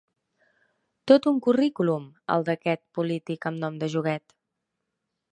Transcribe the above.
Tot un currículum, el d'aquest polític amb nom de joguet.